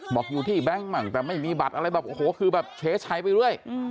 บอกอยู่ที่แบงค์มั่งแต่ไม่มีบัตรอะไรแบบโอ้โหคือแบบเฉยไปเรื่อย